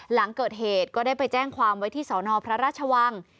หลังเกิดเหตุก็ได้ไปแจ้งความไว้ที่สนพระราชวัง